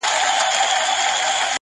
یو ښکاري وو چي په ښکار کي د مرغانو -